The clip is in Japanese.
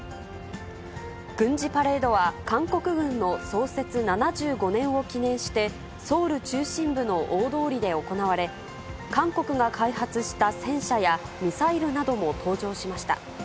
軍事パレードは、韓国軍の創設７５年を記念して、ソウル中心部の大通りで行われ、韓国が開発した戦車やミサイルなども登場しました。